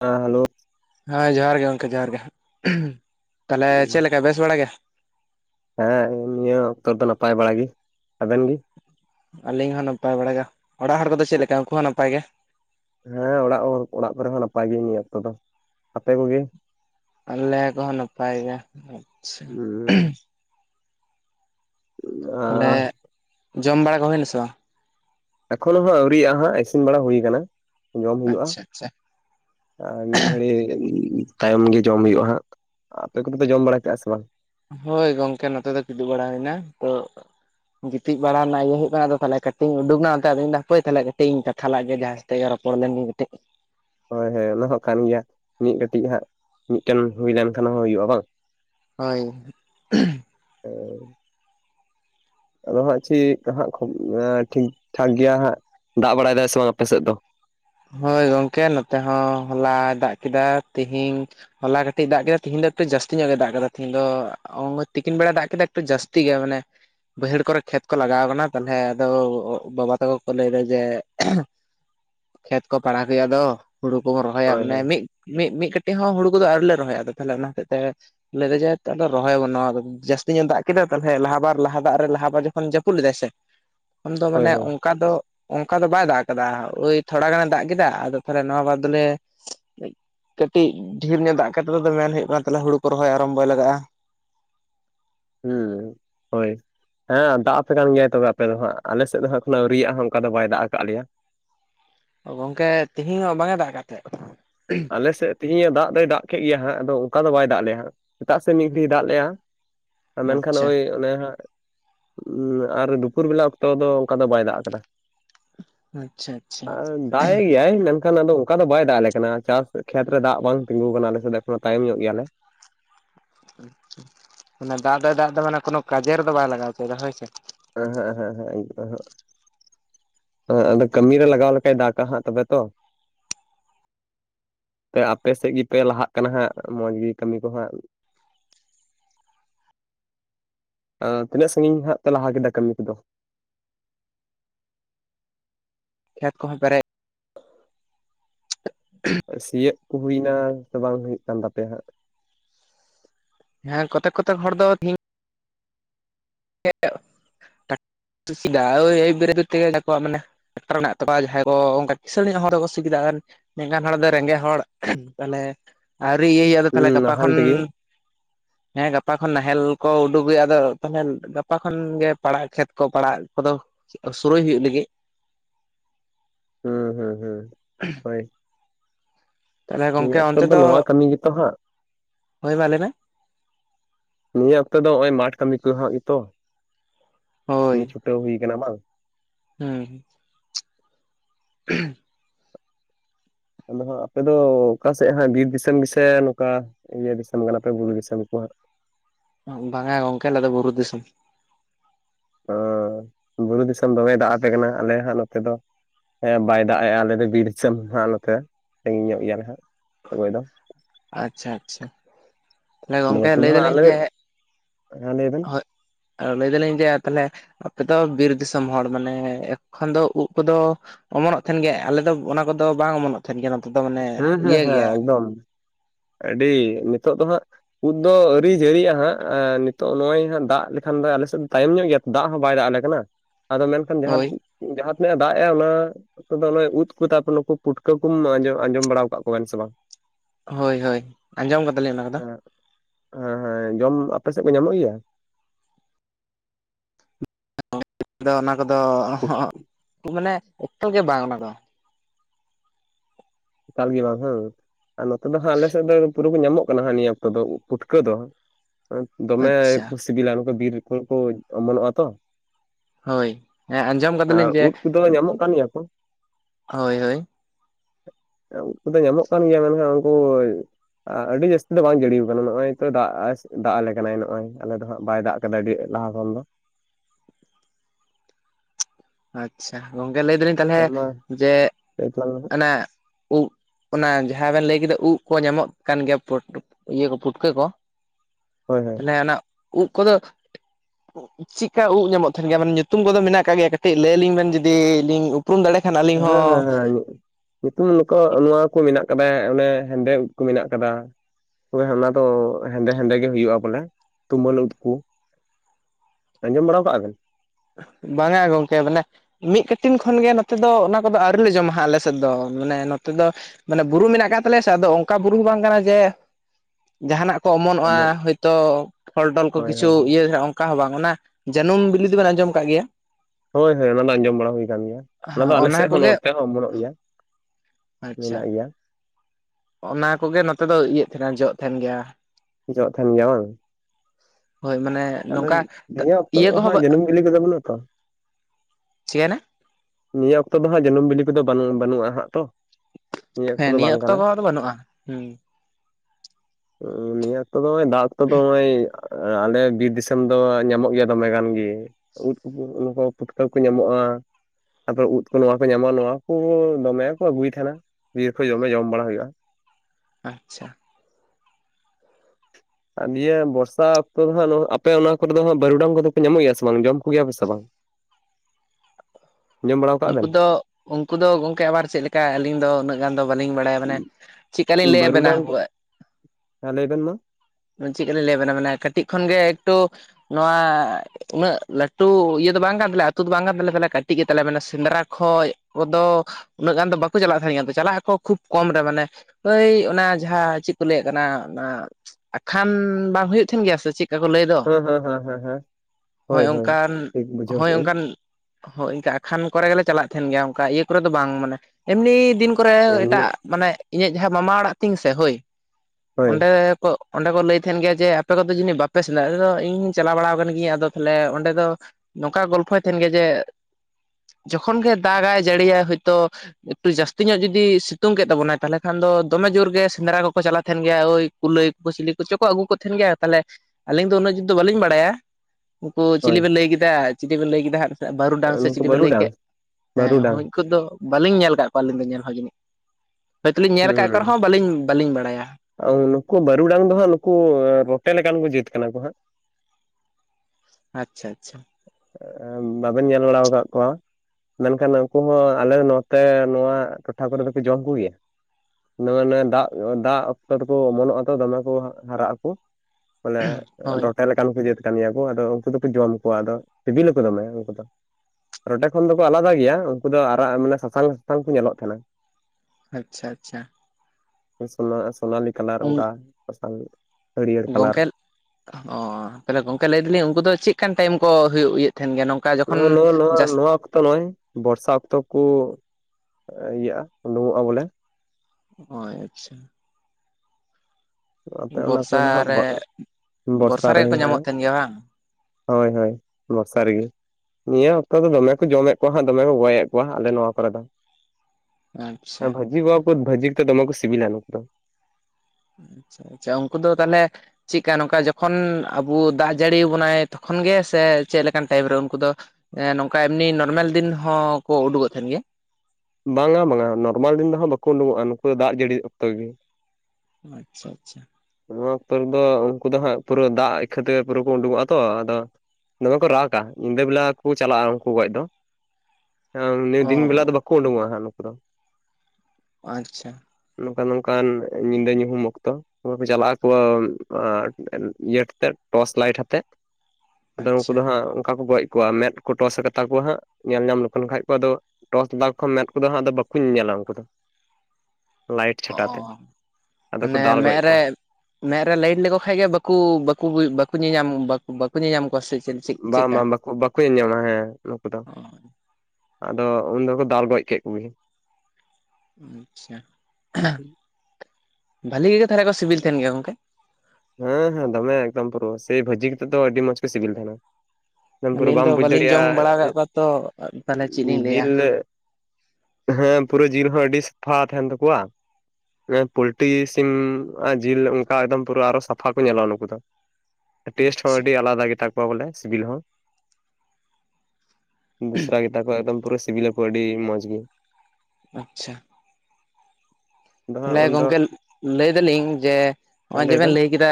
ᱦᱮᱸ ᱦᱮᱞᱳ ᱾ ᱦᱮᱸ ᱡᱚᱦᱟᱨ ᱜᱮ ᱜᱚᱝᱠᱮ ᱡᱚᱦᱟᱨ ᱜᱮ ᱛᱟᱦᱚᱞᱮ ᱪᱮᱫᱞᱮ ᱞᱮᱠᱟ ᱵᱮᱥ ᱵᱟᱲᱟ ᱜᱮ? ᱦᱮᱸ ᱱᱤᱭᱟᱹ ᱚᱠᱛᱚ ᱫᱚ ᱱᱟᱯᱟᱭ ᱵᱟᱲᱟ ᱜᱮ ᱾ ᱟᱵᱮᱱ ᱜᱮ? ᱟᱹᱞᱤᱧ ᱦᱚᱸ ᱱᱟᱯᱟᱭ ᱵᱟᱲᱟ ᱜᱮ᱾ ᱚᱲᱟᱜ ᱦᱚᱲ ᱠᱚᱫᱚ ᱪᱮᱫ ᱞᱮᱠᱟ ᱩᱱᱠᱩ ᱦᱚᱸ ᱱᱟᱯᱟᱭ ᱜᱮ? ᱦᱮᱸ ᱚᱲᱟᱜ ᱚᱲᱟᱜ ᱠᱚᱨᱮ ᱦᱚᱸ ᱱᱟᱯᱟᱭ ᱜᱮ ᱱᱤᱭᱟᱹ ᱚᱠᱛᱚ ᱫᱚ᱾ ᱟᱯᱮ ᱠᱚᱜᱮ? ᱟᱞᱮ ᱠᱚᱦᱚᱸ ᱱᱟᱯᱟᱭ ᱜᱮ, ᱟᱪᱪᱷᱟ ᱾ ᱛᱟᱦᱚᱞᱮ ᱡᱚᱢ ᱵᱟᱲᱟ ᱠᱚ ᱦᱩᱭ ᱱᱟᱥᱮ ᱵᱟᱝ? ᱮᱠᱷᱚᱱ ᱦᱚᱸ ᱦᱟᱸᱜ ᱟᱹᱣᱨᱤᱭᱟᱜ-ᱟ ᱦᱟᱸᱜ ᱤᱥᱤᱱ ᱵᱟᱲᱟ ᱦᱩᱭ ᱟᱠᱟᱱᱟ ᱡᱚᱢ ᱦᱩᱭᱩᱜᱼᱟ᱾ ᱟᱪᱪᱷᱟ ᱟᱪᱪᱷᱟ ᱟᱨ ᱢᱤᱫᱤ ᱜᱷᱟᱹᱲᱤ ᱛᱟᱭᱚᱢ ᱜᱮ ᱡᱚᱢ ᱦᱩᱭᱩᱜ-ᱟ ᱦᱟᱸᱜ᱾ ᱟᱯᱮ ᱠᱚᱫᱚ ᱯᱮ ᱡᱚᱢ ᱵᱟᱲᱟ ᱠᱮᱜ-ᱟ ᱥᱮ ᱵᱟᱝᱻ ᱦᱳᱭ ᱜᱚᱝᱠᱮ ᱱᱚᱛᱮ ᱫᱚ ᱠᱤᱫᱩᱵ ᱵᱟᱲᱟ ᱦᱩᱭᱱᱟ, ᱛᱚ ᱜᱤᱛᱤᱡ ᱵᱟᱲᱟ ᱨᱮᱱᱟᱜ ᱤᱭᱟᱹ ᱦᱩᱭᱩᱜ ᱠᱟᱱᱟ ᱛᱟᱦᱚᱞᱮ ᱠᱟᱹᱴᱤᱧ ᱩᱰᱩᱠ ᱮᱱᱟ ᱚᱱᱛᱮ ᱟᱫᱚᱧ ᱢᱮᱱᱫᱟ ᱦᱟᱯᱳᱭ ᱛᱟᱞᱦᱮ ᱠᱟᱹᱴᱤᱡ ᱤᱧ ᱠᱟᱛᱷᱟ ᱞᱟᱜ ᱜᱮ ᱡᱟ ᱛᱮ ᱨᱚᱯᱚᱲ ᱞᱮᱱᱜᱤᱧ ᱠᱟᱹᱴᱤᱡ ᱾ ᱦᱳᱭ ᱦᱳᱭ ᱚᱱᱟ ᱦᱚᱸ ᱠᱟᱱ ᱜᱮᱭᱟ ᱢᱤᱫ ᱠᱟᱹᱴᱤᱡ ᱦᱟᱸᱜ ᱢᱤᱫᱴᱮᱱ ᱦᱩᱭ ᱞᱮᱱᱠᱷᱟᱱ ᱦᱩᱭᱩᱜ-ᱟ ᱵᱟᱝ ᱾ ᱦᱳᱭ᱾ ᱟᱫᱚ ᱦᱟᱸᱜ ᱪᱮᱫ ᱦᱟᱸᱜ ᱠᱷᱚᱵ ᱴᱷᱤᱠ ᱴᱷᱟᱠ ᱜᱮᱭᱟ ᱦᱟᱸᱜ ᱫᱟᱜ ᱵᱟᱲᱟᱭ ᱫᱟᱭ ᱥᱮ ᱵᱟᱝ ᱟᱯᱮ ᱥᱮᱫ ᱫᱚ? ᱦᱳᱭ ᱜᱚᱝᱠᱮ ᱱᱚᱛᱮ ᱦᱚᱸ ᱦᱚᱞᱟᱭ ᱫᱟᱜ ᱠᱮᱫᱟ, ᱛᱤᱦᱤᱧ ᱦᱚᱞᱟ ᱠᱟᱹᱴᱤᱡ ᱫᱟᱜ ᱠᱮᱫᱟ ᱛᱤᱦᱤᱧ ᱫᱚ ᱮᱠᱴᱩ ᱡᱟᱹᱥᱛᱤ ᱧᱚᱜ ᱜᱮᱭ ᱫᱟᱜ ᱠᱮᱫᱟ ᱛᱤᱦᱤᱧ ᱫᱚ ᱛᱤᱠᱤᱱ ᱵᱮᱲᱟ ᱫᱟᱜ ᱠᱮᱫᱟ ᱮᱠᱴᱩ ᱡᱟᱹᱥᱛᱤ ᱜᱮ, ᱢᱟᱱᱮ ᱵᱟᱹᱭᱦᱟᱹᱲ ᱠᱚᱨᱮ ᱠᱷᱮᱛ ᱠᱚ ᱞᱟᱜᱟᱣ ᱠᱟᱱᱟ ᱛᱟᱦᱚᱞᱮ ᱟᱫᱚ ᱵᱟᱵᱟ ᱛᱟᱠᱚ ᱠᱚ ᱞᱟᱹᱭᱫᱟ ᱡᱮ ᱠᱷᱮᱛ ᱠᱚ ᱯᱟᱲᱟᱜ ᱦᱩᱭᱩᱜ-ᱟ ᱦᱩᱲᱩ ᱠᱚᱵᱚᱱ ᱨᱚᱦᱚᱭᱟ᱾ ᱦᱳᱭ ᱢᱟᱱᱮ ᱦᱳᱭ ᱢᱤᱫ ᱢᱤᱫ ᱢᱤᱫ ᱠᱟᱹᱴᱤᱡ ᱦᱚᱸ ᱦᱩᱲᱩ ᱠᱚᱫᱚ ᱟᱣᱨᱤ ᱞᱮ ᱨᱚᱦᱚᱭᱟ ᱟᱫᱚ ᱛᱟᱦᱚᱞᱮ ᱚᱱᱟ ᱦᱚᱛᱮᱡ ᱛᱮ ᱞᱟᱹᱭ ᱫᱟ ᱡᱮ ᱟᱫᱚ ᱨᱚᱦᱚᱭᱟ ᱵᱚᱱ ᱱᱚᱣᱟ ᱠᱚᱫᱚ᱾ ᱡᱟᱹᱥᱛᱤ ᱧᱚᱜ ᱫᱟᱜ ᱠᱮᱫᱟ ᱛᱟᱦᱚᱞᱮ ᱞᱟᱦᱟ ᱵᱟᱨ ᱞᱟᱦᱟ ᱫᱟᱜ ᱨᱮ ᱞᱟᱦᱟ ᱵᱟᱨ ᱡᱚᱠᱷᱚᱱ ᱡᱟᱹᱯᱩᱫ ᱞᱮᱫᱟᱭ ᱥᱮ- ᱩᱱ ᱫᱚ ᱦᱳᱭ ᱢᱟᱱᱮ ᱦᱳᱭ ᱚᱱᱠᱟ ᱫᱚ ᱚᱱᱠᱟ ᱫᱚ ᱵᱟᱭ ᱫᱟᱜ ᱠᱟᱫᱟ ᱳᱭ ᱛᱷᱚᱲᱟ ᱜᱟᱱᱮ ᱫᱟᱜ ᱠᱮᱫᱟ ᱟᱫᱚ ᱛᱟᱦᱚᱞᱮ ᱱᱚᱣᱟ ᱵᱟᱨ ᱫᱚᱞᱮ ᱠᱟᱹᱴᱤᱡ ᱰᱷᱮᱨ ᱧᱚᱜ ᱫᱟᱜ ᱠᱟᱛᱮ ᱛᱮᱫᱚ ᱢᱮᱱ ᱦᱩᱭᱩᱜ ᱠᱟᱱᱟ ᱛᱟᱦᱞᱮ ᱦᱩᱲᱩ ᱠᱚ ᱨᱚᱦᱚᱭ ᱟᱨᱚᱢ ᱵᱚᱭ ᱞᱟᱜᱟᱜ-ᱟ᱾ ᱦᱩᱸ, ᱦᱳᱭ᱾ ᱦᱮᱸ ᱫᱟᱜ ᱟᱯᱮ ᱠᱟᱱ ᱜᱮᱭᱟᱭ ᱛᱚᱵᱮ ᱟᱯᱮ ᱫᱚ ᱦᱟᱸᱜ, ᱟᱞᱮ ᱥᱮᱫ ᱫᱚ ᱮᱠᱷᱚᱱ ᱟᱹᱣᱤᱭᱟᱜ ᱦᱟᱜ ᱚᱱᱠᱟ ᱫᱚ ᱵᱟᱭ ᱫᱟᱜ ᱟᱠᱟᱫ ᱞᱮᱭᱟ᱾ ᱜᱚᱝᱠᱮ ᱛᱤᱦᱤᱧ ᱚᱜ ᱵᱟᱝ ᱮ ᱫᱟᱜ ᱠᱟᱜ ᱛᱮ? ᱟᱞᱮ ᱥᱮᱫ ᱛᱤᱦᱤᱧᱮ ᱫᱟᱜ ᱫᱚᱭ ᱫᱟᱜ ᱠᱮᱫ ᱜᱮᱭᱟ ᱦᱟᱸᱜ, ᱟᱫᱚ ᱚᱱᱠᱟ ᱫᱚ ᱵᱟᱭ ᱫᱟᱜ ᱞᱮᱭᱟᱜ ᱥᱮᱛᱟᱜ ᱥᱮ ᱢᱤᱫ ᱜᱷᱟᱹᱲᱤ ᱫᱟᱜ ᱞᱮᱜ-ᱟ᱾ ᱢᱮᱱᱠᱷᱟᱱ ᱟᱪᱪᱷᱟ ᱳᱭ ᱚᱱᱮ ᱦᱟᱜ ᱟᱨ ᱫᱩᱯᱩᱨ ᱵᱮᱞᱟ ᱚᱠᱛᱚ ᱫᱚ ᱚᱱᱠᱟ ᱫᱚ ᱵᱟᱭ ᱫᱟᱜ ᱟᱠᱟᱫᱟ᱾ ᱟᱪᱪᱷᱟ ᱟᱪᱪᱷᱟ ᱫᱟᱜ ᱮᱜ ᱜᱮᱭᱟᱭ ᱢᱮᱱᱠᱷᱟᱱ ᱟᱫᱚ ᱚᱱᱠᱟ ᱫᱚ ᱵᱟᱭ ᱫᱟᱜ ᱟᱞᱮ ᱠᱟᱱᱟ᱾ ᱪᱟᱥ ᱠᱷᱮᱛ ᱨᱮ ᱫᱟᱜ ᱵᱟᱝ ᱛᱤᱸᱜᱩ ᱟᱠᱟᱱᱟ ᱟᱞᱮ ᱥᱮᱫ ᱫᱚ ᱮᱠᱷᱚᱱᱳ ᱛᱟᱭᱚᱢ ᱧᱚᱜ ᱜᱮᱭᱟᱞᱮ᱾ ᱢᱟᱱᱮ ᱫᱟᱜ ᱫᱚᱭ ᱫᱟᱜ ᱫᱚ ᱢᱟᱱᱮ ᱠᱳᱱᱳ ᱠᱟᱡᱮᱨ ᱫᱚ ᱵᱟᱭ ᱞᱟᱜᱟᱣ ᱦᱚᱪᱚᱭ ᱫᱟ ᱦᱳᱭ ᱥᱮ᱾ [unintelligible] ᱦᱮᱸ ᱟᱫᱚ ᱠᱟᱹᱢᱤ ᱨᱮ ᱞᱟᱜᱟᱣ ᱞᱮᱠᱟᱭ ᱫᱟᱜᱟ ᱦᱟᱸᱜ ᱛᱚᱵᱮ ᱛᱚ᱾ ᱟᱯᱮ ᱥᱮᱜ ᱜᱮᱯᱮ ᱞᱟᱦᱟᱜ ᱠᱟᱱᱟ ᱦᱟᱸᱜ ᱢᱚᱡᱽ ᱜᱮ ᱠᱟᱹᱢᱤ ᱠᱚᱦᱟᱸᱜ᱾ [inaudible] ᱛᱤᱱᱟᱹᱜ ᱥᱟᱺᱜᱤᱧ ᱦᱟᱸᱜ ᱯᱮ ᱞᱟᱦᱟ ᱠᱮᱫᱟ ᱠᱟᱹᱢᱤ ᱠᱚᱫᱚ? ᱠᱷᱮᱛ ᱠᱚᱦᱚᱸ ᱯᱮᱨᱮ ᱥᱤᱭᱟᱹᱜ ᱠᱩ ᱦᱩᱭᱱᱟ ᱥᱮ ᱵᱟᱝ ᱦᱩᱭᱩᱜ ᱠᱟᱱ ᱛᱟᱯᱮᱭᱟ ᱦᱟᱸᱜ? ᱦᱮᱸ ᱠᱚᱛᱮᱠ ᱠᱚᱛᱮᱠ ᱦᱚᱲ ᱫᱚ ᱛᱤᱦᱤᱧ [unintelligible] ᱟᱭᱩᱵ ᱵᱮᱨ [unintelligible] ᱴᱟᱠᱴᱟᱨ ᱢᱮᱱᱟᱜ ᱛᱟᱠᱚᱣᱟ ᱡᱟᱦᱟᱸᱭ ᱠᱚ, ᱚᱱᱠᱟ ᱠᱤᱥᱟᱹᱲ ᱧᱚᱜ ᱦᱚᱲ ᱫᱚᱠᱚ ᱥᱤ ᱠᱮᱫᱟ᱾ ᱱᱮᱝᱠᱟᱱ ᱦᱚᱲ ᱫᱚ ᱨᱮᱸᱜᱮᱡ ᱦᱚᱲ, ᱛᱟᱦᱞᱮ ᱟᱹᱣᱨᱤ ᱤᱭᱟᱹᱭ ᱦᱩᱭᱩᱜ-ᱟ ᱦᱩᱸ ᱛᱟᱦᱞᱮ ᱜᱟᱯᱟ ᱱᱟᱦᱮᱞ ᱠᱷᱚᱱ ᱛᱮᱜᱮ ᱦᱮᱸ ᱜᱟᱯᱟ ᱠᱷᱚᱱ ᱱᱟᱦᱮᱞ ᱠᱚ ᱩᱰᱩᱠ ᱦᱩᱭᱩᱜ -ᱟ ᱟᱫᱚ ᱛᱟᱦᱚᱞᱮ ᱜᱟᱯᱟ ᱠᱷᱚᱱ ᱜᱮ ᱯᱟᱲᱟᱜ ᱠᱷᱮᱛ ᱠᱚ ᱯᱟᱲᱟᱜ ᱠᱚᱫᱚ ᱥᱩᱨᱩᱭ ᱦᱩᱭᱩᱜ ᱞᱟᱹᱜᱤᱫ᱾ [inaudible] ᱦᱩᱸ, ᱦᱩᱸ, ᱦᱩᱸ, ᱦᱳᱭ᱾ ᱛᱟᱦᱚᱞᱮ ᱱᱤᱭᱟᱹ ᱜᱚᱝᱠᱮ ᱚᱠᱛᱚ ᱚᱱᱛᱮ ᱨᱮᱫᱚ ᱫᱚ ᱱᱚᱣᱟ ᱠᱟᱹᱢᱤ ᱜᱮᱛᱚ ᱦᱟᱸᱜ ᱦᱳᱭ ᱢᱟ ᱞᱟᱹᱭ ᱢᱮ ᱱᱤᱭᱟᱹ ᱚᱠᱛᱚ ᱫᱚ ᱱᱚᱜ-ᱚᱭ ᱢᱟᱴᱷ ᱠᱟᱹᱢᱤ ᱠᱚ ᱦᱟᱸᱜ ᱜᱮᱛᱚ, ᱦᱳᱭ ᱯᱩᱨᱟᱹᱣ ᱦᱩᱭ ᱠᱟᱱᱟ ᱵᱟᱝ? ᱦᱩᱸ᱾ [inaudible] ᱟᱫᱚ ᱦᱟᱸᱜ ᱟᱯᱮ ᱫᱚ ᱚᱠᱟ ᱥᱮᱫ ᱦᱟᱸᱜ ᱵᱤᱨ ᱫᱤᱥᱚᱢ ᱜᱮᱥᱮ ᱱᱚᱝᱠᱟ ᱤᱭᱟᱹ ᱫᱤᱥᱚᱢ ᱠᱟᱱᱟᱯᱮ ᱵᱩᱨᱩ ᱫᱤᱥᱚᱢ ᱠᱚ ᱦᱟᱜ? ᱵᱟᱝᱟ ᱜᱚᱝᱠᱮ ᱟᱞᱮ ᱫᱚ ᱵᱩᱨᱩ ᱫᱤᱥᱚᱢ᱾ ᱚ ᱵᱩᱨᱩ ᱫᱤᱥᱚᱢ ᱫᱚᱢᱮ ᱫᱟᱜ ᱟᱯᱮ ᱠᱟᱱᱟ ᱟᱞᱮ ᱦᱟᱸᱜ ᱱᱚᱛᱮ ᱫᱚ ᱦᱮᱸ ᱵᱟᱭ ᱫᱟᱜ ᱮᱜ-ᱟ ᱟᱞᱮ ᱫᱚ ᱵᱤᱨ ᱫᱤᱥᱚᱢ ᱦᱟᱸᱜ ᱱᱚᱛᱮ, ᱥᱟᱺᱜᱤᱧ ᱧᱚᱜ ᱜᱮᱭᱟᱞᱮ ᱦᱟᱸᱜ ᱨᱚᱦᱚᱭ ᱫᱚ᱾ ᱟᱪᱪᱷᱟ, ᱟᱪᱪᱷᱟ᱾ ᱛᱟᱦᱚᱞᱮ ᱜᱚᱝᱠᱮ [unintelligible] ᱫᱚ ᱞᱟᱹᱭ ᱦᱟᱸᱜ ᱫᱟᱞᱤᱧ ᱡᱮ ᱟᱞᱮ ᱵᱮᱱ ᱦᱳᱭ ᱞᱟᱹᱭ ᱫᱟᱞᱤᱧ ᱡᱮ ᱛᱟᱦᱞᱮ ᱟᱯᱮ ᱫᱚ ᱵᱤᱨ ᱫᱤᱥᱚᱢ ᱦᱚᱲ ᱢᱟᱱᱮ ᱮᱠᱷᱚᱱ ᱫᱚ ᱩᱵᱽ ᱠᱚᱫᱚ ᱚᱢᱚᱱᱚᱜ ᱛᱮᱦᱮᱱ ᱜᱮᱭᱟ ᱟᱞᱮ ᱫᱚ ᱚᱱᱟ ᱠᱚᱫᱚ ᱵᱟᱝ ᱚᱢᱚᱱᱚᱜ ᱛᱟᱦᱮᱱ ᱜᱮᱭᱟ ᱱᱚᱛᱮ ᱫᱚ ᱢᱟᱱᱮ ᱦᱮᱸ ᱦᱮᱸ ᱤᱭᱟᱹ ᱦᱮᱸ ᱜᱮᱭᱟ᱾ ᱮᱠᱫᱚᱢ ᱟᱹᱰᱤ ᱱᱤᱛᱚᱜ ᱫᱚ ᱦᱟᱸᱜ ᱩᱫᱽ ᱫᱚ ᱟᱹᱣᱨᱤ ᱡᱟᱹᱨᱤᱜ-ᱟ ᱦᱟᱸᱜ ᱱᱤᱛᱚᱜ ᱱᱚᱜ-ᱚᱭ ᱫᱟᱜ ᱞᱮᱠᱷᱟᱱ ᱫᱚ ᱟᱞᱮ ᱥᱮᱫ ᱫᱚ ᱛᱟᱭᱚᱢ ᱧᱚᱜ ᱜᱮᱭᱟ᱾ ᱫᱟᱜ ᱦᱚᱸ ᱵᱟᱭ ᱫᱟᱜ ᱟᱞᱮ ᱠᱟᱱᱟ, ᱟᱫᱚ ᱢᱮᱱᱠᱷᱟᱱ ᱡᱟᱦᱟᱸ ᱦᱳᱭ ᱡᱟᱦᱟᱸᱛᱤᱱᱟᱹᱜ ᱮ ᱫᱟᱜ ᱮᱼᱟ ᱚᱱᱟ ᱟᱯᱮ ᱚᱱᱮ ᱩᱫ ᱠᱚ ᱛᱟᱨᱯᱚᱨ ᱱᱩᱠᱩ ᱯᱩᱴᱠᱟᱹ ᱠᱚᱢ ᱟᱹᱡᱚ-ᱟᱸᱡᱚᱢ ᱵᱟᱲᱟ ᱟᱠᱟᱫ ᱠᱚᱣᱟ ᱵᱮᱱ ᱥᱮ ᱵᱟᱝ? ᱦᱳᱭ ᱦᱳᱭ ᱟᱸᱡᱚᱢ ᱠᱟᱛ ᱟᱪᱷᱟ ᱦᱮᱸ ᱦᱮᱸ ᱡᱚᱢ ᱟᱯᱮ ᱥᱮᱫ ᱠᱚ ᱧᱟᱢᱚᱜ ᱜᱮᱭᱟ? [inaudible] ᱫᱚ ᱚᱱᱟ ᱠᱚᱫᱚ ᱢᱟᱱᱮ ᱮᱠᱟᱞ ᱜᱮ ᱵᱟᱝ ᱚᱱᱟᱫᱚ᱾ ᱠᱟᱞ ᱜᱮ ᱵᱟ ᱦᱮ ᱟᱨ ᱱᱚᱛᱮ ᱫᱚ ᱦᱟᱸᱜ ᱟᱞᱮᱥᱮᱫ ᱫᱚ ᱯᱩᱨᱟᱹ ᱠᱚ ᱧᱟᱢᱚᱜ ᱠᱟᱱᱟ ᱦᱟᱸᱜ ᱱᱤᱭᱟᱹ ᱚᱠᱛᱚ ᱫᱚ ᱩᱫ ᱯᱩᱴᱠᱟᱹ ᱫᱚ᱾ ᱟᱸ ᱫᱚᱢᱮ ᱟᱪᱪᱷᱟ ᱠᱚ ᱥᱤᱵᱤᱞᱟ ᱱᱚᱠᱟ ᱵᱤᱨ ᱨᱤᱠᱩᱱ ᱠᱚ ᱚᱢᱚᱱᱚᱜᱼᱟ ᱛᱚ᱾ ᱦᱳᱭ ᱦᱮᱸ ᱟᱸᱡᱚᱢ ᱟᱠᱟᱫᱟ ᱟᱨ ᱞᱤᱧ ᱡᱮ ᱩᱫ ᱠᱚᱫᱚ ᱧᱟᱢᱚᱜ ᱠᱟᱱ ᱜᱮᱭᱟ ᱠᱚ ᱦᱳᱭ ᱦᱳᱭ ᱮᱜ ᱩᱫ ᱠᱚᱫᱚ ᱧᱟᱢᱚᱜ ᱠᱟᱱ ᱜᱮᱭᱟ ᱢᱮᱱᱠᱷᱟᱱ ᱩᱱᱠᱩᱭ ᱟ ᱟᱹᱰᱤ ᱡᱟᱹᱥᱛᱤ ᱫᱚ ᱵᱟᱝ ᱡᱟᱹᱲᱤᱭ ᱠᱟᱱᱟ ᱱᱚᱜᱚᱭ ᱛᱚ ᱫᱟᱜ ᱫᱟᱜ ᱟᱞᱮ ᱠᱟᱱᱟᱭ ᱱᱚᱜᱚᱭ ᱟᱞᱮ ᱫᱚ ᱦᱟᱸᱜ ᱵᱟᱭ ᱫᱟᱜ ᱠᱟᱫᱟᱭ ᱴᱤ ᱞᱟᱦᱟ ᱠᱷᱚᱱ ᱫᱚ ᱟᱪᱪᱷᱟ ᱜᱚᱝᱠᱮ ᱞᱟᱹᱭ ᱫᱟᱞᱤᱧ ᱛᱟᱦᱚᱞᱮ ᱦᱮᱸ ᱢᱟ ᱡᱮ ᱞᱟᱹᱭ ᱛᱟᱞᱟᱝ ᱢᱮ ᱦᱟᱸᱜ ᱚᱱᱮ ᱩᱵ ᱚᱱᱟ ᱡᱟᱦᱟᱸ ᱵᱮᱱ ᱞᱟᱹᱭ ᱠᱮᱫᱟ ᱩᱜ ᱠᱚ ᱧᱟᱢᱚᱜ ᱠᱟᱱ ᱜᱮᱭᱟ ᱯᱩᱴ ᱤᱭᱟᱹ ᱠᱚ ᱯᱩᱴᱠᱟᱹ ᱠᱚ ᱦᱳᱭ ᱦᱳᱭ ᱛᱟᱦᱟᱞᱮ ᱚᱱᱟ ᱩᱜ ᱠᱚᱫᱚ ᱪᱮᱫᱠᱟ ᱩᱜ ᱧᱟᱢᱚᱜ ᱛᱟᱦᱮᱱ ᱜᱮᱭᱟ ᱢᱟᱱᱮ ᱧᱩᱛᱩᱢ ᱠᱚᱫᱚ ᱢᱮᱱᱟᱜ ᱟᱠᱟᱟᱜ ᱜᱮᱭᱟ ᱠᱟ ᱛᱤᱡ ᱞᱟᱹᱭ ᱞᱤᱧ ᱵᱮᱱ ᱡᱩᱫᱤ ᱞᱤᱧ ᱩᱯᱨᱩᱢ ᱫᱟᱲᱮ ᱠᱷᱟᱱ ᱟᱹᱞᱤᱧ ᱦᱮᱸ ᱦᱚᱸ ᱦᱮᱸ ᱦᱮᱸ ᱧᱩᱛᱩᱢ ᱞᱮᱠᱚ ᱱᱚᱣᱟ ᱠᱚ ᱢᱮᱱᱟᱜ ᱠᱟᱫᱟ ᱚᱱᱮ ᱦᱮᱸᱫᱮ ᱩᱜ ᱠᱚ ᱢᱮᱱᱟᱜ ᱠᱟᱫᱟ᱾ ᱦᱚᱭ ᱦᱟᱜ ᱚᱱᱟ ᱫᱚ ᱦᱮᱸᱫᱮ ᱦᱮᱸᱫᱮ ᱜᱮ ᱦᱩᱭᱩᱜᱼᱟ ᱵᱚᱞᱮ ᱛᱩᱢᱟᱹᱞ ᱩᱫᱠᱩ ᱟᱸᱡᱚᱢ ᱵᱟᱲᱟ ᱠᱟᱜᱼᱟ ᱵᱮᱱ? ᱵᱟᱝᱜᱟ ᱜᱚᱝᱠᱮ ᱢᱮᱱᱮ ᱢᱤᱫ ᱠᱟᱴᱤᱱ ᱠᱷᱚᱱ ᱜᱮ ᱱᱚᱛᱮ ᱫᱚ ᱚᱱᱟ ᱠᱚᱫᱚ ᱟᱹᱣᱨᱤ ᱞᱮ ᱡᱚᱢᱟ ᱦᱟᱸᱜ ᱟᱞᱮ ᱥᱮᱫ ᱫᱚ ᱢᱟᱱᱮ ᱱᱚᱛᱮ ᱫᱚ ᱢᱟᱱᱮ ᱵᱩᱨᱩ ᱢᱮᱱᱟᱜ ᱠᱟᱫ ᱛᱟᱞᱮᱭᱟ ᱥᱮ ᱟᱫᱚ ᱚᱱᱠᱟ ᱵᱩᱨᱩ ᱦᱚᱸ ᱵᱟᱝ ᱠᱟᱱᱟ ᱡᱮ ᱡᱟᱦᱟᱱᱟᱜ ᱠᱚ ᱚᱢᱚᱱᱚᱜᱼᱟ ᱚᱢᱚᱱ ᱦᱳᱭᱛᱳ ᱯᱷᱚᱞ ᱴᱚᱞ ᱠᱚ ᱦᱳᱭ ᱠᱤᱪᱷᱩ ᱦᱳᱭ ᱤᱭᱟᱹ ᱡᱚᱜ ᱠᱟ ᱦᱚᱸ ᱵᱟᱝ ᱚᱱᱟ ᱡᱟᱹᱱᱩᱢ ᱵᱤᱞᱤ ᱫᱚᱵᱚᱱ ᱟᱸᱡᱚᱢ ᱟᱠᱜ ᱜᱮᱭᱟ? ᱦᱳᱭ ᱦᱳᱭ ᱚᱱᱟ ᱫᱚ ᱟᱸᱡᱚᱢ ᱵᱟᱲᱟ ᱦᱩᱭ ᱟᱠᱟᱱ ᱜᱮᱭᱟ ᱚᱱᱟ ᱫᱚ ᱟᱞᱮ ᱥᱮᱫ ᱦᱚᱸ ᱱᱚᱛ ᱦᱚᱸ ᱚᱢᱚᱱᱚᱜ ᱜᱮᱭᱟ᱾ ᱟᱪᱪᱷᱟ ᱢᱮᱱᱟᱜ ᱜᱮᱭᱟ᱾ ᱚᱱᱟ ᱠᱚᱜᱮ ᱱᱚᱛᱮ ᱫᱚ ᱤᱭᱟᱹᱜ ᱛᱟᱦᱮᱱᱟ ᱡᱚᱜ ᱛᱟᱦᱮᱱ ᱜᱮᱭᱟ ᱡᱚᱜ ᱛᱟᱦᱮᱱ ᱜᱮᱭᱟ ᱵᱟᱝ? ᱦᱚᱭ ᱢᱟᱱᱮ ᱟᱫᱚ ᱱᱚᱝᱠᱟ ᱱᱤ ᱱᱤᱭᱟᱹ ᱚᱠᱛᱚ ᱤᱭᱟᱹ ᱦᱟᱸᱜ ᱠᱚᱦᱚᱸ ᱡᱟᱹᱱᱩᱢ ᱵᱤᱞᱤ ᱠᱚᱫᱚ ᱵᱟᱹᱱᱩᱜᱼᱟ ᱛᱚ ᱪᱤᱠᱟᱭ ᱱᱟ? ᱱᱤᱭᱟᱹ ᱚᱠᱛᱚ ᱫᱚ ᱦᱟᱸᱜ ᱡᱟᱹᱱᱟᱢ ᱵᱤᱞᱤ ᱠᱚᱫᱚ ᱵᱟᱱᱩ ᱵᱟᱹᱱᱩᱜᱼᱟ ᱦᱟᱸᱜ ᱛᱚ? ᱦᱮᱸ ᱫᱚ ᱱᱤᱭᱟᱹ ᱵᱟᱝ ᱚᱠᱛᱚ ᱠᱟᱱᱟ ᱠᱚ ᱦᱚ ᱵᱟᱹᱱᱩᱜᱼᱟ ᱦᱩᱸ᱾ ᱱᱤᱭᱟᱹ ᱚᱠᱛᱚ ᱫᱚ ᱫᱟᱜ ᱚᱠᱛᱚ ᱫᱚ ᱱᱚᱜᱚᱭ ᱟᱞᱮ ᱵᱤᱨ ᱫᱤᱥᱚᱢ ᱫᱚ ᱧᱟᱢᱚᱜ ᱜᱮᱭᱟ ᱫᱚᱢᱮ ᱜᱟᱱ ᱜᱮ᱾ ᱩᱫ ᱠᱩᱠᱩ ᱩᱱᱠᱩ ᱯᱩᱴᱠᱟᱹᱣ ᱠᱚ ᱧᱟᱢᱚᱜᱼᱟ ᱾ ᱟᱫᱚ ᱩᱫ ᱠᱚ ᱱᱚᱣᱟ ᱠᱚ ᱧᱟᱢᱟ ᱱᱚᱣᱟ ᱠᱚ ᱫᱚᱢᱮ ᱠᱚ ᱟᱹᱜᱩᱭ ᱛᱟᱦᱮᱱᱟ ᱵᱤᱨ ᱠᱷᱚᱡ ᱫᱚᱢᱮ ᱡᱚᱢ ᱵᱟᱲᱟ ᱦᱩᱭᱩᱜᱼᱟ᱾ ᱟᱪᱪᱷᱟ ᱟᱨ ᱱᱤᱭᱟᱹ ᱵᱚᱨᱥᱟ ᱚᱠᱛᱚ ᱫᱚ ᱦᱟᱸᱜ ᱟᱯᱮ ᱚᱱᱟ ᱠᱚᱨᱮ ᱫᱚ ᱦᱟᱸᱜ ᱵᱟᱹᱨᱩᱰᱟᱝ ᱠᱚᱫᱚ ᱠᱚ ᱧᱟᱢᱚᱜ ᱜᱮᱭᱟ ᱥᱮ ᱵᱟᱝ? ᱡᱚᱢ ᱠᱚᱜᱮᱭᱟ ᱯᱮ ᱥᱮ ᱵᱟᱝ? [unintelligible] ᱡᱚᱢ ᱵᱟᱲᱟᱣ ᱠᱟᱜ ᱩᱱᱠᱩ ᱵᱮᱱ ᱫᱚ ᱩᱱᱠᱩ ᱫᱚ ᱜᱚᱝᱠᱮ ᱟᱵᱟᱨ ᱪᱮᱫ ᱞᱮᱠᱟ ᱟᱹᱞᱤᱧ ᱫᱚ ᱩᱱᱟᱹᱜᱼᱼ ᱜᱟᱱ ᱫᱚ ᱵᱟᱹᱞᱤᱧ ᱵᱟᱲᱟᱭᱟ ᱢᱟᱱᱮ ᱪᱮᱫᱠᱟᱞᱤᱧ ᱞᱟᱹᱭᱟ ᱟᱵᱮᱱᱟ ᱵᱟᱹᱨᱩᱰᱟᱝ ᱠᱚ ᱟᱵᱚᱣᱟᱜ ᱦᱮᱸ ᱞᱟᱹᱭ ᱵᱮᱱ ᱢᱟ ᱢᱟᱱᱮ ᱪᱮᱫᱠᱟ ᱞᱤᱧ ᱞᱟᱹᱭ ᱟᱵᱮᱱᱟ ᱢᱟᱱᱮ ᱠᱟᱹᱴᱤᱡ ᱠᱷᱚᱱᱜᱮ ᱮᱠᱴᱩ ᱱᱚᱣᱟ ᱩᱱᱟᱹᱜ ᱞᱟᱹᱴᱩ ᱤᱭᱟᱹ ᱫᱚ ᱵᱟᱝ ᱠᱟᱱ ᱛᱟᱞᱮᱭᱟ ᱟᱛᱩ ᱫᱚ ᱵᱟᱝ ᱠᱟᱱ ᱛᱟᱞᱮᱭᱟ ᱛᱟᱦᱞᱮ ᱠᱟᱹᱴᱤᱡ ᱜᱮ ᱛᱟᱞᱮᱭᱟ ᱢᱟᱱᱮ ᱥᱮᱸᱫᱽᱨᱟ ᱠᱷᱚᱡ ᱠᱚᱫᱚ ᱩᱱᱟᱹᱜ ᱜᱟᱱ ᱫᱚ ᱵᱟᱠᱚ ᱪᱟᱞᱟᱜ ᱛᱟᱦᱮ ᱜᱮᱭᱟ ᱟᱫᱚ ᱪᱟᱞᱟᱜ ᱟᱠᱚ ᱠᱷᱩᱵ ᱠᱚᱢ ᱨᱮ ᱢᱟᱱᱮ ᱟᱭ ᱚᱱᱟ ᱡᱟᱦᱟᱸ ᱪᱮᱫ ᱠᱚ ᱞᱟᱹᱭᱮᱫ ᱠᱟᱱᱟ ᱚᱱᱟ ᱟᱠᱷᱟᱱ ᱵᱟᱝ ᱦᱩᱭᱩᱜ ᱛᱟᱦᱮᱱ ᱜᱮᱭᱟ ᱥᱮ ᱪᱤᱫ ᱪᱮᱫᱠᱟ ᱠᱚ ᱞᱟᱹᱭ ᱫᱚ ᱦᱮᱸ ᱦᱮᱸ ᱦᱮᱸ ᱦᱮᱸ ᱦᱮᱸ [inaudible] ᱦᱳᱭ ᱚᱱᱠᱟᱱ ᱴᱷᱤᱠ ᱵᱩᱡᱷᱟᱹᱣ ᱦᱳᱭ ᱠᱮᱜ ᱟᱹᱧ ᱚᱱᱠᱟᱱ ᱦᱳᱭ ᱤᱱᱠᱟ ᱟᱠᱷᱟᱱ ᱠᱚᱨᱮ ᱜᱮᱞᱮ ᱪᱟᱞᱟᱜ ᱛᱟᱦᱮᱱ ᱜᱮᱭᱟ ᱚᱱᱠᱟ ᱤᱭᱟᱹ ᱠᱚᱨᱮ ᱫᱚ ᱵᱟᱝ ᱢᱟᱱᱮ ᱮᱢᱱᱤ ᱫᱤᱱ ᱠᱚᱨᱮ ᱮᱢᱱᱤ ᱮᱴᱟᱜ ᱢᱟᱱᱮ ᱤᱧᱟᱹᱜ ᱡᱟᱦᱟᱸ ᱢᱟᱢᱟ ᱚᱲᱟᱜ ᱛᱤᱧ ᱥᱮ ᱦᱳᱭ [inaudible] ᱦᱳᱭ ᱚᱸᱰᱮ ᱠᱚᱜ ᱚᱸᱰᱮ ᱠᱚ ᱞᱟᱹᱭ ᱛᱟᱦᱮᱱ ᱜᱮᱭᱟ ᱡᱮ ᱟᱯᱮ ᱠᱚᱫᱚ ᱡᱟᱹᱱᱤᱡ ᱵᱟᱯᱮ [unintelligible] ᱤᱧ ᱦᱚᱸᱧ ᱪᱟᱞᱟᱣ ᱵᱟᱲᱟᱟᱣ ᱠᱟᱱ ᱜᱤᱭᱟᱹᱧ ᱟᱫᱚ ᱛᱟᱦᱚᱞᱮ ᱚᱸᱰᱮ ᱫᱚ ᱱᱚᱝᱠᱟᱭ ᱜᱚᱞᱯᱷᱚᱭ ᱛᱟᱦᱮᱱ ᱜᱮᱭᱟ ᱡᱮ ᱡᱚᱠᱷᱚᱱ ᱜᱮ ᱫᱟᱜᱟᱭ ᱡᱟᱹᱲᱤᱭᱟᱭ ᱦᱳᱭᱛᱳ ᱮᱠᱴᱩ ᱡᱟᱹᱥᱛᱤ ᱧᱚᱜ ᱡᱩᱫᱤ ᱥᱤᱛᱩᱝ ᱠᱮᱫ ᱛᱟᱵᱚᱱᱟᱭ ᱛᱟᱦᱚᱞ ᱠᱷᱟᱱ ᱫᱚ ᱫᱚᱢᱮ ᱡᱳᱨ ᱜᱮ ᱥᱮᱸᱫᱽᱨᱟ ᱠᱚᱠᱚ ᱪᱟᱞᱟᱜ ᱛᱟᱦᱮᱱ ᱜᱮᱭᱟ ᱳᱭ ᱠᱩᱞᱟᱹᱭ ᱠᱚ ᱪᱤᱞᱤ ᱠᱚᱪᱚ ᱠᱚ ᱟᱹᱜᱩ ᱠᱚ ᱛᱟᱦᱮᱱ ᱜᱮᱭᱟ ᱾ ᱛᱟᱦᱚᱞᱮ ᱟᱹᱞᱤᱧ ᱫᱚ ᱩᱱᱟᱹᱜ ᱡᱩᱫ ᱫᱚ ᱵᱟᱹᱞᱤᱧ ᱵᱟᱲᱟᱭᱟ ᱾ ᱩᱱᱠᱩ ᱦᱳᱭ ᱪᱤᱞᱤ ᱵᱤᱱ ᱞᱟᱹᱭ ᱠᱮᱫᱟ ᱪᱤᱞᱤ ᱵᱮᱱ ᱞᱟᱹᱭ ᱠᱮᱫᱟ ᱦᱟᱜ ᱵᱟᱹᱨᱩ ᱰᱟᱝ ᱥᱮ ᱱᱩᱠᱩ ᱪᱤᱞᱤ ᱵᱮᱱ ᱞᱟᱹᱭ ᱵᱟᱹᱨᱩᱰᱟᱝ [inaudible] ᱦᱮᱸ ᱵᱟᱹᱨᱩᱰᱟᱝ ᱦᱩᱭ ᱠᱚᱫᱚ ᱵᱟᱹᱞᱤᱧ ᱧᱮᱞ ᱟᱠᱟᱫ ᱠᱚᱣᱟ ᱟᱹᱞᱤᱧ ᱫᱚ ᱧᱮᱞ ᱦᱚ ᱡᱟᱹᱱᱤᱡ ᱾ [inaudible] ᱦᱳᱭᱛᱚᱞᱤᱧ ᱧᱮᱞ ᱟᱠᱟᱫ ᱠᱚ ᱨᱮᱦᱚᱸ ᱵᱟᱹᱞᱤᱧ ᱵᱟᱹᱞᱤᱧ ᱵᱟᱲᱟᱭᱟ ᱾ ᱩᱸᱻ ᱱᱩᱠᱩ ᱵᱟᱹᱨᱩᱰᱟᱝ ᱫᱚ ᱦᱟᱸᱜ ᱱᱩᱠᱩ ᱨᱚᱴᱮ ᱞᱮᱠᱟᱱ ᱠᱚ ᱡᱟᱹᱛ ᱠᱟᱱᱟ ᱠᱚ ᱦᱟᱸᱜ ᱾ ᱟᱪᱪᱷᱟ ᱟᱪᱪᱷᱟ ᱾ ᱮᱻ ᱵᱟᱵᱤᱱ ᱧᱮᱞ ᱵᱟᱲᱟ ᱟᱠᱟᱫ ᱠᱚᱣᱟ ᱾ ᱢᱮᱱᱠᱷᱟᱱ ᱩᱱᱠᱩ ᱦᱚᱸ ᱟᱞᱮ ᱱᱚᱛᱮ ᱱᱚᱣᱟ ᱴᱚᱴᱷᱟ ᱠᱚᱨᱮ ᱫᱚᱠᱚ ᱡᱚᱢ ᱠᱩ ᱜᱮᱭᱟ ᱾ [unintelligible] ᱫᱟᱜ ᱫᱟᱜ ᱚᱠᱛᱚ ᱛᱮᱠᱚ ᱚᱢᱚᱱᱚᱜ-ᱟ ᱛᱚ ᱫᱚᱢᱮ ᱠᱚ ᱦᱟᱨᱟᱜ ᱟᱠᱚ ᱾ ᱵᱚᱞᱮ ᱦᱳᱭ ᱨᱚᱴᱮ ᱞᱮᱠᱟᱱ ᱠᱚ ᱡᱟᱹᱛ ᱠᱟᱱ ᱜᱮᱭᱟ ᱠᱚ ᱟᱫᱚ ᱩᱱᱠᱩ ᱫᱚᱠᱚ ᱡᱚᱢ ᱠᱚᱣᱟ ᱟᱫᱚ ᱾ ᱥᱤᱵᱤᱞ ᱟᱠᱚ ᱫᱚᱢᱮ ᱩᱱᱠᱩ ᱫᱚ ᱾ ᱨᱚᱴᱮ ᱠᱷᱚᱱ ᱫᱚᱠᱚ ᱟᱞᱟᱫᱟ ᱜᱮᱭᱟ ᱩᱱᱠᱩ ᱫᱚ ᱟᱨᱟᱜ ᱢᱟᱱᱮ ᱥᱟᱥᱟᱝ ᱥᱟᱥᱟᱝ ᱠᱚ ᱧᱮᱞᱚᱜ ᱛᱟᱦᱮᱸᱱᱟ ᱾ ᱟᱪᱪᱷᱟ ᱟᱪᱪᱷᱟ ᱾ [inaudible] ᱥᱳᱱᱟ ᱥᱳᱱᱟᱞᱤ ᱠᱟᱞᱟᱨ ᱚᱱᱠᱟ ᱥᱟᱥᱟᱝ ᱜᱮ ᱾ ᱜᱚᱝᱠᱮ [inaudible] ᱚ ᱛᱟᱦᱚᱞᱮ ᱜᱚᱝᱠᱮ ᱞᱟᱹᱭ ᱮᱫᱟᱞᱤᱧ ᱩᱱᱠᱩ ᱫᱚ ᱪᱮᱫᱠᱟᱱ ᱴᱟᱭᱤᱢ ᱠᱚ ᱦᱩᱭᱩᱜ ᱤᱭᱮᱜ ᱛᱟᱦᱮᱱ ᱜᱮᱭᱟ ᱱᱚᱝ [unintelligible] ᱱᱚᱣᱟ ᱱᱚᱣᱟ ᱚᱠᱛᱚ ᱱᱚᱜ-ᱚᱭ ᱾ ᱵᱚᱨᱥᱟ ᱚᱠᱛᱚ ᱠᱚ ᱤᱭᱟᱹᱜ-ᱟ [inaudible] ᱩᱰᱩᱝᱚᱜ-ᱟ ᱵᱚᱞᱮ ᱾ ᱦᱳᱭ ᱟᱪᱪᱷᱟ ᱾ ᱟᱯᱮ ᱚᱱᱟ ᱠᱚᱨᱮ ᱵᱚᱨᱥᱟ ᱫᱚ ᱦᱟᱸᱜ ᱨᱮ ᱵᱚᱨᱥᱟ ᱠᱚ ᱨᱮᱜᱮ ᱦᱮᱸ ᱧᱟᱢᱚᱜ ᱾ ᱛᱟᱦᱮᱱ [inaudible] ᱜᱮᱭᱟ ᱵᱟᱝ ᱦᱳᱭ ᱦᱳᱭ ᱵᱚᱨᱥᱟ ᱨᱮᱜᱮ ᱾ ᱱᱤᱭᱟᱹ ᱚᱠᱛᱚ ᱫᱚ ᱫᱚᱢᱮ ᱠᱚ ᱡᱚᱢᱮᱫ ᱠᱚᱣᱟ ᱦᱟᱸᱜ ᱫᱚᱢᱮ ᱠᱚ ᱜᱚᱭᱮᱫ ᱠᱚᱣᱟ ᱟᱞᱮ ᱱᱚᱣᱟ ᱠᱚᱨᱮ ᱫᱚ ᱾ [inaudible] ᱟᱪᱪᱷᱟ ᱵᱷᱟᱹᱡᱤ [unintelligible] ᱵᱷᱟᱹᱡᱤ ᱛᱚ ᱫᱚᱢᱮ ᱠᱚ ᱥᱤᱵᱤᱞᱟ ᱱᱩᱠᱩ ᱫᱚ ᱾ ᱟᱪᱪᱷᱟ ᱟᱪᱪᱷᱟ ᱾ ᱩᱱᱠᱩ ᱫᱚ ᱛᱟᱦᱚᱞᱮ ᱪᱮᱫᱠᱟ ᱱᱚᱝᱠᱟ ᱡᱚᱠᱷᱚᱱ ᱟᱵᱚ ᱫᱟᱜ ᱡᱟᱹᱲᱤ ᱟᱵᱚᱱᱟᱭ ᱛᱚᱠᱷᱚᱱ ᱜᱮ ᱥᱮ ᱪᱮᱫ ᱞᱮᱠᱟᱱ ᱴᱟᱭᱤᱢ ᱨᱮ ᱩᱱᱠᱩ ᱫᱚ ᱮᱸᱻ ᱱᱚᱝᱠᱟ ᱮᱢᱱᱤ ᱱᱚᱨᱢᱮᱞ ᱫᱤᱱ ᱦᱚᱸᱠᱚ ᱩᱰᱩᱠᱚᱜ ᱛᱟᱦᱮᱱ ᱜᱮᱭᱟ? ᱵᱟᱝ-ᱟ ᱵᱟᱝ-ᱟ ᱱᱚᱨᱢᱟᱞ ᱫᱤᱱ ᱦᱟᱸᱜ ᱵᱟᱠᱚ ᱩᱰᱩᱠᱚᱜ-ᱟ, ᱱᱩᱠᱩ ᱫᱚ ᱫᱟᱜ ᱡᱟᱹᱲᱤ ᱚᱠᱛᱚ ᱜᱮ ᱾ ᱟᱪᱪᱷᱟ ᱟᱪᱪᱷᱟ ᱾ ᱱᱚᱣᱟ ᱚᱠᱛᱚ ᱨᱮᱫᱚ ᱩᱱᱠᱩ ᱫᱚ ᱦᱟᱸᱜ ᱯᱩᱨᱟᱹ ᱫᱟᱜ ᱤᱠᱷᱟᱹ ᱛᱮᱜᱮ ᱯᱩᱨᱟᱹ ᱠᱚ ᱩᱰᱩᱠᱚᱜ-ᱟ ᱛᱚ, ᱟᱫᱚ ᱫᱚᱢᱮ ᱠᱚ ᱨᱟᱜᱟ, ᱧᱤᱫᱟᱹ ᱵᱮᱞᱟ ᱠᱚ ᱪᱟᱞᱟᱜ-ᱟ ᱩᱱᱠᱩ ᱜᱚᱡ ᱫᱚ ᱾ ᱦᱮᱸ ᱫᱤᱱ ᱵᱮᱞᱟ ᱫᱚ ᱚ ᱵᱟᱠᱚ ᱩᱰᱩᱠᱚᱜ-ᱟ ᱦᱟᱜ ᱱᱩᱠᱩ ᱫᱚ ᱾ [inaudible] ᱟᱪᱪᱷᱟ ᱾ ᱱᱚᱝᱠᱟᱱ ᱱᱚᱝᱠᱟᱱ ᱧᱤᱫᱟᱹ ᱧᱩᱦᱩᱢ ᱚᱠᱛᱚ ᱾ ᱚᱠᱚᱭ ᱠᱚ ᱪᱟᱞᱟᱜ ᱟᱠᱚ ᱟᱻ ᱤᱭᱟᱹᱛᱮ ᱴᱚᱨᱪ ᱞᱟᱭᱤᱴ ᱟᱛᱮᱫ ᱾ ᱟᱫᱚ ᱩᱱᱠᱩ ᱟᱪᱪᱷᱟ ᱫᱚ ᱦᱟᱸᱜ ᱚᱱᱠᱟ ᱠᱚ ᱜᱚᱡ ᱠᱚᱣᱟ ᱾ ᱢᱮᱸᱫ ᱠᱚ ᱴᱚᱥ ᱟᱠᱟ ᱛᱟᱠᱚᱣᱟ ᱦᱟᱸᱜ ᱾ ᱧᱮᱞ ᱧᱟᱢ ᱞᱮᱠᱚ ᱠᱷᱟᱱ ᱠᱚ ᱟᱫᱚ ᱴᱚᱥ [unintelligible] [inaudible] ᱢᱮᱫ ᱠᱚᱫᱚ ᱦᱟᱸᱜ ᱟᱫᱚ ᱵᱟᱠᱚ ᱧᱮᱧᱮᱞᱟ ᱩᱱᱠᱩ ᱫᱚ ᱾ ᱚᱻ [inaudible] ᱟᱫᱚ ᱠᱚ ᱢᱟᱱᱮ ᱫᱟᱞ ᱜᱚᱡ ᱢᱮᱫ ᱨᱮ ᱠᱚᱣᱟ ᱢᱮᱫ ᱨᱮ ᱞᱟᱭᱤᱴ ᱞᱮᱠᱚ ᱠᱷᱟᱡ ᱜᱮ ᱵᱟᱹᱠᱩ ᱵᱟᱹᱠᱩ ᱵᱟᱹᱠᱩ ᱧᱮᱧᱟᱢ ᱵᱟᱠᱚ ᱧᱮᱧᱟᱢ ᱠᱚᱣᱟ ᱥᱮ ᱵᱟᱝ ᱪᱮᱫᱠᱟ ᱵᱟᱝ ᱵᱟᱠᱚ ᱵᱟᱠᱚ ᱧᱮᱧᱟᱢᱟ ᱦᱮᱸ ᱚᱱᱟ ᱠᱚᱫᱚ᱾ ᱚ ᱟᱫᱚ ᱩᱱ ᱫᱚᱠᱚ ᱫᱟᱞ ᱜᱚᱡ ᱠᱮᱜ ᱠᱚᱜᱮ᱾ ᱟᱪᱪᱷᱟ, ᱵᱷᱟᱞᱤ ᱜᱮ ᱠᱚ ᱛᱟᱞᱦᱮ ᱠᱚ ᱥᱤᱵᱤᱞ ᱛᱟᱦᱮᱱ ᱜᱮᱭᱟ ᱜᱚᱝᱠᱮ? ᱦᱮᱸ ᱦᱮᱸ ᱫᱚᱢᱮ ᱮᱠᱫᱚᱢ ᱯᱩᱨᱟᱹ, ᱥᱮᱹᱭ ᱵᱷᱟᱹᱡᱤ ᱠᱟᱛᱮᱜ ᱫᱚ ᱟᱹᱰᱤ ᱢᱚᱸᱡᱽ ᱜᱮ ᱥᱤᱵᱤᱞ ᱛᱟᱦᱮᱱᱟ᱾ ᱮᱠᱫᱚᱢ ᱯᱩᱨᱟᱹ ᱟᱹᱞᱤᱧ ᱵᱟᱢ ᱫᱚ ᱵᱩᱡᱽ ᱵᱟᱹᱞᱤᱧ ᱡᱚᱢ ᱵᱟᱲᱟ ᱫᱟᱲᱮᱭᱟᱜ-ᱟ ᱟᱠᱟᱫ ᱠᱚᱣᱟ ᱛᱚ ᱛᱟᱦᱚᱞᱮ ᱪᱮᱫ ᱞᱤᱧ ᱞᱟᱹᱭᱟ ᱡᱤᱞ ᱞᱮ ᱦᱮᱸ ᱯᱩᱨᱟᱹ ᱡᱤᱞ ᱦᱚᱸ ᱟᱹᱰᱤ ᱥᱟᱯᱷᱟ ᱛᱟᱸᱦᱮᱱ ᱛᱟᱠᱚᱣᱟ᱾ ᱯᱳᱞᱴᱤ ᱥᱤᱢᱻ ᱡᱤᱞ ᱚᱝᱠᱟ ᱮᱠᱫᱚᱢ ᱯᱩᱨᱟᱹ ᱟᱨᱚ ᱥᱟᱯᱷᱟ ᱠᱚ ᱧᱮᱞᱚᱜ-ᱟ ᱱᱩᱠᱩ ᱫᱚ, ᱴᱮᱥᱴ ᱦᱚᱸ ᱟᱪᱪᱷᱟ ᱟᱹᱰᱤ ᱟᱞᱟᱫᱟ ᱜᱮᱛᱟ ᱠᱚᱣᱟ ᱵᱚᱞᱮ ᱥᱤᱵᱤᱞ ᱦᱚᱸ, ᱫᱩᱥᱨᱟ ᱜᱮᱛᱟ ᱠᱚᱣᱟ ᱮᱠᱫᱚᱢ ᱯᱩᱨᱟᱹ ᱥᱤᱵᱤᱞ ᱟᱹᱰᱤ ᱢᱚᱸᱡᱽ ᱜᱮ᱾ ᱟᱪᱪᱷᱟ᱾ ᱟᱫᱚ ᱦᱟᱸᱜ ᱛᱟᱦᱞᱮ ᱩᱱᱫᱚ ᱜᱚᱝᱠᱮ ᱞᱟᱹᱭ ᱫᱟᱞᱤᱧ ᱡᱮ ᱦᱚᱸᱜ-ᱚᱭ ᱡᱮᱵᱮᱱ ᱞᱟᱹᱭ ᱠᱮᱫᱟ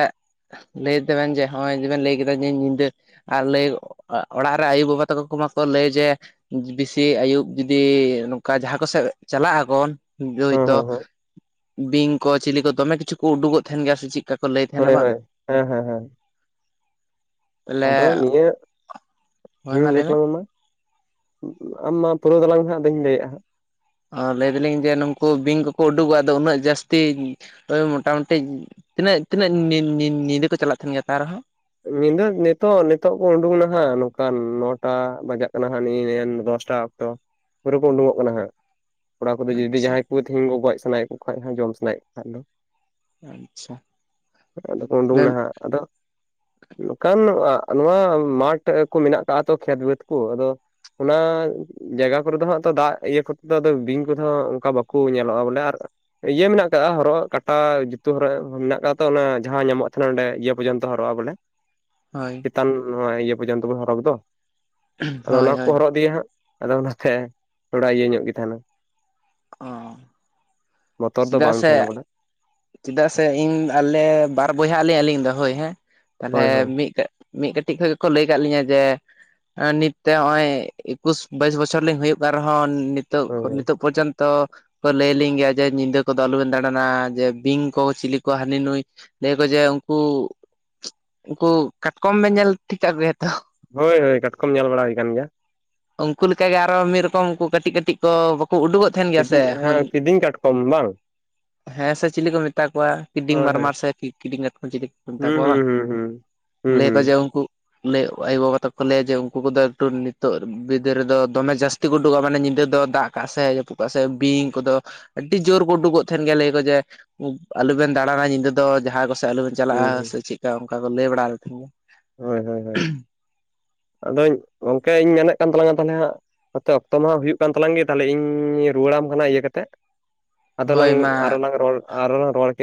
ᱞᱟᱹᱭ ᱫᱟᱵᱮᱱ ᱡᱮ ᱦᱚᱸᱜ-ᱚᱭ ᱡᱮᱵᱮᱱ ᱞᱟᱹᱭ ᱠᱮᱫᱟ ᱡᱮ ᱧᱤᱫᱟᱹ ᱟᱨ ᱞᱟᱹᱭ ᱚᱲᱟᱜ ᱨᱮ ᱟᱭᱩ ᱵᱟᱵᱟ ᱛᱟᱠᱚ ᱠᱚ ᱢᱟᱠᱚ ᱞᱟᱹᱭ ᱡᱮ ᱵᱤᱥᱤ ᱟᱹᱭᱩᱵ ᱡᱩᱫᱤ ᱱᱚᱝᱠᱟ ᱡᱟᱦᱟᱸ ᱠᱚᱥᱮᱫ ᱪᱟᱞᱟᱜ-ᱟᱵᱚᱱ ᱦᱮᱸ ᱦᱳᱭᱛᱳ ᱦᱮᱸ ᱦᱮᱸ ᱵᱤᱧ ᱠᱚ ᱪᱤᱞᱤ ᱠᱚ ᱫᱚᱢᱮ ᱠᱤᱪᱷᱩ ᱠᱚ ᱩᱰᱩᱠᱚᱜ ᱛᱟᱦᱮᱱ ᱜᱮᱭᱟ ᱥᱮ ᱪᱤᱫ? ᱦᱳᱭ ᱦᱳᱭ, ᱦᱮᱸ ᱦᱮᱸ ᱦᱮᱸ᱾ ᱛᱟᱦᱚᱞᱮ ᱟᱫᱚ ᱱᱤᱭᱟᱹ ᱦᱳᱭ ᱞᱟᱹᱭ ᱛᱟᱞᱟᱝ ᱢᱮ ᱢᱟ᱾ ᱟᱢ ᱢᱟ ᱯᱩᱨᱟᱹᱣ ᱛᱟᱞᱟᱝ ᱢᱮ ᱦᱟᱸᱜ ᱟᱫᱚᱧ ᱞᱟᱹᱭᱮᱜ-ᱟ ᱦᱟᱸᱜ᱾ ᱚ, ᱞᱟᱹᱭ ᱫᱟᱞᱤᱧ ᱡᱮ ᱱᱩᱠᱩ ᱵᱤᱧ ᱠᱚᱠᱚ ᱩᱰᱩᱠᱚᱜ-ᱟ ᱟᱫᱚ ᱩᱱᱟᱹᱜ ᱡᱟᱹᱥᱛᱤ ᱳᱭ ᱢᱚᱴᱟᱢᱩᱴᱤ ᱛᱤᱱᱟᱹᱜ ᱛᱤᱱᱟᱹᱜ, ᱧᱤ-ᱧᱤ-ᱧᱤ ᱧᱤᱫᱟᱹ ᱠᱚ ᱪᱟᱞᱟᱜ ᱛᱟᱦᱮᱱ ᱜᱮᱭᱟ ᱛᱟᱣ ᱨᱮᱦᱚᱸ? ᱧᱤᱫᱟᱹ ᱱᱤᱛᱳᱜ ᱱᱤᱛᱳᱜ ᱠᱚ ᱩᱰᱩᱝ ᱱᱟᱦᱟᱜ ᱱᱚᱝᱠᱟᱱ ᱱᱚᱴᱟ ᱵᱟᱡᱟᱜ ᱠᱟᱱᱟ ᱦᱟᱸᱜ ᱱᱤ-ᱱᱤᱭᱟᱹ ᱫᱚᱥ ᱴᱟ ᱛᱚ ᱯᱩᱨᱟᱹ ᱠᱚ ᱩᱰᱩᱜᱚᱜ ᱠᱟᱱᱟ ᱦᱟᱸᱜ᱾ ᱠᱚᱲᱟ ᱠᱚᱫᱚ ᱡᱩᱫᱤ ᱟᱪᱪᱷᱟ ᱡᱟᱦᱟᱸᱭ ᱠᱚ ᱛᱤᱦᱤᱧ ᱠᱚ ᱜᱚᱡ ᱥᱟᱱᱟᱭᱮᱫ ᱠᱚ ᱠᱷᱟᱡ ᱦᱚᱸ ᱡᱚᱢ ᱥᱟᱱᱟᱭᱮᱫ ᱠᱚ ᱠᱷᱟᱡ ᱫᱚ᱾ ᱟᱪᱪᱷᱟ ᱟᱫᱚ ᱠᱚ ᱩᱰᱩᱝ ᱛᱟᱦᱚᱞᱮ ᱱᱟᱦᱟᱜ ᱟᱫᱚ ᱱᱚᱝᱠᱟᱱ ᱱᱚᱣᱟ ᱢᱟᱴᱷ ᱠᱚ ᱢᱮᱱᱟᱜ ᱠᱟᱜ-ᱟ ᱛᱚ ᱠᱷᱮᱛ ᱵᱟᱹᱫᱽ ᱠᱚ ᱟᱫᱚ ᱚᱱᱟ ᱡᱟᱭᱜᱟ ᱠᱚᱨᱮ ᱫᱚᱜ ᱦᱟᱸᱜ ᱛᱚ ᱫᱟᱜ ᱤᱭᱟᱹ ᱠᱚᱛᱮ ᱟᱫᱚ ᱵᱤᱧ ᱠᱚᱫᱚ ᱚᱝᱠᱟ ᱵᱟᱠᱚ ᱧᱮᱞᱚᱜ-ᱟ ᱵᱚᱞᱮ, ᱟᱨ ᱤᱭᱟᱹ ᱢᱮᱱᱟᱜ ᱟᱠᱟᱜ-ᱟ ᱦᱚᱨᱚᱜ, ᱠᱟᱴᱟ ᱡᱩᱛᱟᱹ ᱦᱚᱨᱚᱜ ᱢᱮᱱᱟᱜ ᱠᱟᱜ-ᱟ ᱛᱚ ᱚᱱᱮ ᱡᱟᱦᱟᱸ ᱧᱟᱢᱚᱜ ᱛᱟᱦᱮᱱᱟ ᱚᱸᱰᱮ ᱤᱭᱟᱹ ᱯᱚᱨᱡᱚᱱ ᱦᱚᱨᱚᱜ-ᱟ ᱵᱚᱞᱮ᱾ ᱦᱳᱭ᱾ ᱪᱮᱛᱟᱱ ᱱᱚᱣᱟ ᱤᱭᱟᱹ ᱯᱚᱨᱡᱚᱱᱛᱚ ᱵᱚ ᱦᱚᱨᱚᱜᱽ ᱫᱚ ᱟᱫᱚ ᱦᱳᱭ ᱚᱱᱟ ᱦᱳᱭ ᱠᱚᱠᱚ ᱦᱚᱨᱚᱜ ᱤᱫᱤᱭᱟ ᱦᱟᱸᱜ᱾ ᱟᱫᱚ ᱚᱱᱟᱛᱮ ᱛᱷᱚᱲᱟ ᱤᱭᱟᱹ ᱧᱚᱜ ᱜᱮ ᱛᱟᱸᱦᱮᱱᱟ᱾ ᱚ ᱵᱚᱛᱚᱨ ᱫᱚ ᱪᱮᱫᱟᱜ ᱵᱟᱝ ᱥᱮ ᱛᱟᱸᱦᱮᱱᱟ ᱵᱚᱞᱮ᱾ ᱪᱮᱫᱟᱜ ᱥᱮ ᱤᱧ ᱟᱞᱮ ᱵᱟᱨ ᱵᱚᱭᱦᱟᱜ-ᱟᱞᱮ ᱟᱞᱤᱧ ᱫᱚ ᱦᱳᱭ ᱦᱮᱸ ᱛᱟᱞᱦᱮ ᱦᱳᱭ ᱦᱳᱭ ᱢᱤᱫᱴᱮᱡ ᱢᱤᱫ ᱠᱟᱹᱴᱤᱡ ᱠᱷᱚᱡ ᱜᱮᱠᱚ ᱞᱟᱹᱭ ᱠᱟᱜ ᱞᱤᱧᱟᱹ ᱡᱮ ᱟᱨ ᱱᱤᱛᱛᱮ ᱦᱚᱸᱜ-ᱚᱭ ᱮᱠᱩᱥ, ᱵᱟᱭᱤᱥ ᱵᱚᱪᱷᱚᱨ ᱞᱤᱧ ᱦᱩᱭᱩᱜ ᱠᱟᱱ ᱨᱮᱦᱚᱸ ᱱᱤᱛ ᱱᱤᱛᱳᱜ, ᱦᱳᱭ ᱱᱤᱛᱳᱜ ᱯᱚᱨᱡᱚᱱᱛᱚ ᱠᱚ ᱞᱟᱹᱭᱟᱞᱤᱧ ᱜᱮᱭᱟ ᱡᱮ ᱧᱤᱫᱟᱹ ᱠᱚᱫᱚ ᱟᱞᱚᱵᱮᱱ ᱫᱟᱬᱟᱱᱟ, ᱡᱮ ᱵᱤᱧ ᱠᱚ, ᱪᱤᱞᱤ ᱠᱚ ᱦᱟᱱᱤ ᱱᱩᱭ ᱞᱟᱹᱭᱟ ᱠᱚ ᱡᱮ ᱩᱝᱠᱩ ᱩᱝᱠᱩ ᱠᱟᱴᱠᱚᱢ ᱵᱮᱱ ᱧᱮᱞ ᱴᱷᱤᱠ ᱠᱟᱜ ᱠᱚᱜᱮᱭᱟ ᱛᱚ? ᱦᱳᱭ ᱦᱳᱭ, ᱠᱟᱴᱠᱚᱢ ᱧᱮᱞ ᱵᱟᱲᱟ ᱦᱩᱭ ᱠᱟᱱ ᱜᱮᱭᱟ᱾ ᱩᱝᱠᱩ ᱞᱮᱠᱟᱜᱮ ᱟᱨᱚ ᱢᱤᱫ ᱨᱚᱠᱚᱢ ᱩᱝᱠᱩ ᱠᱟᱹᱴᱤᱡ ᱠᱟᱹᱴᱤᱡ ᱠᱚ ᱵᱟᱠᱚ ᱩᱰᱩᱠᱚᱜ ᱛᱟᱸᱦᱮᱱ ᱜᱮᱭᱟ ᱠᱤᱫᱤᱧ ᱥᱮ ᱦᱮᱸ ᱦᱳᱭ, ᱠᱤᱫᱤᱧ ᱠᱟᱴᱠᱚᱢ ᱵᱟᱝ ᱦᱮᱸ ᱥᱮ᱾ ᱪᱮᱞᱮ ᱠᱚ ᱢᱮᱛᱟ ᱠᱚᱣᱟ ᱠᱤᱫᱤᱧ ᱦᱳᱭ ᱦᱳᱭ ᱢᱟᱨᱢᱟᱨ ᱥᱮ ᱠᱤ ᱠᱤᱫᱤᱧ ᱠᱟᱴᱠᱚᱢ ᱪᱤᱞᱤ? ᱢᱮᱛᱟ ᱦᱩᱸ ᱠᱚᱣᱟ, ᱦᱩᱸ ᱦᱩᱸ ᱦᱩᱸ ᱦᱩᱸ ᱦᱩᱸ ᱞᱟᱹᱭᱟᱠᱚ ᱡᱮ ᱩᱝᱠᱩ ᱞᱟᱹᱭ ᱟᱭᱳᱵᱟᱵᱟ ᱛᱟᱠᱚ ᱞᱟᱹᱭᱟ ᱡᱮ ᱩᱱᱠᱩ ᱠᱚ ᱫᱚ ᱮᱠᱴᱩ ᱱᱤᱛᱚᱜ ᱵᱤᱫᱟᱹᱨ ᱨᱮ ᱫᱚ ᱫᱚᱢᱮ ᱡᱟᱹᱥ ᱛᱤᱠᱚ ᱩᱰᱩᱠᱚᱜᱼᱟ ᱢᱟᱱᱮ ᱧᱤᱫᱟᱹ ᱫᱚ ᱫᱟᱜ ᱠᱟᱜ ᱥᱮ ᱡᱟᱹᱯᱩ ᱠᱟᱜ ᱥᱮ ᱵᱤᱧ ᱠᱚᱫᱚ, ᱟᱹᱰᱤ ᱡᱳᱨ ᱠᱚ ᱩᱰᱩᱠᱚᱜ ᱛᱟᱦᱮᱱ ᱞᱟᱹᱭᱟ ᱠᱚ ᱡᱮ, ᱟᱞᱚᱵᱮᱱ ᱫᱟᱲᱟᱱᱟ ᱧᱤᱫᱟᱹ ᱫᱚ ᱡᱟᱦᱟᱸ ᱠᱚᱥᱮᱫ ᱟᱞᱚᱵᱮᱱ ᱪᱟᱞᱟᱜᱼᱟ ᱦᱩᱸ ᱥᱮ ᱪᱮᱠᱟ ᱚᱱᱠᱟ ᱠᱚ ᱞᱟᱹᱭ ᱵᱟᱲᱟ ᱞᱮ ᱛᱟᱦᱮᱱ ᱜᱮ, ᱦᱳᱭ ᱦᱳᱭ ᱦᱳᱭ, [unintelligible] ᱟᱫᱚᱧ ᱜᱚᱢᱠᱮᱧ ᱢᱮᱱᱮᱫ ᱠᱟᱱ ᱛᱟᱞᱟᱝᱟ ᱛᱟᱦᱚᱞᱮ ᱦᱟᱸᱜ, ᱱᱚᱛᱮ ᱚᱠᱛᱚ ᱢᱟ ᱦᱩᱭᱩᱜ ᱠᱟᱱ ᱛᱟᱞᱟᱝ ᱜᱮ ᱛᱟᱦᱞᱮ ᱤᱧ ᱨᱩᱣᱟᱹᱲᱟᱢ ᱠᱟᱱᱟ ᱤᱭᱟᱹ ᱠᱟᱛᱮᱜ, ᱟᱫᱚ ᱦᱳᱭ ᱞᱟᱝ ᱢᱟ ᱟᱨᱞᱟᱝ ᱨᱚᱲ ᱟᱨᱞᱟᱝ ᱨᱚᱲ ᱠᱮᱫ,